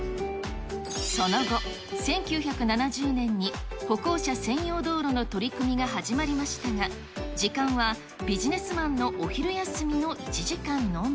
その後、１９７０年に歩行者専用道路の取り組みが始まりましたが、時間はビジネスマンのお昼休みの１時間のみ。